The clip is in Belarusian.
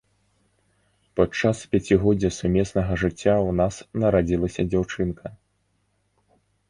Падчас пяцігоддзя сумеснага жыцця ў нас нарадзілася дзяўчынка.